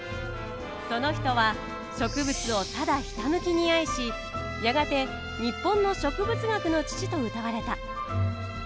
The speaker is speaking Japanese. その人は植物をただひたむきに愛しやがて日本の植物学の父とうたわれた。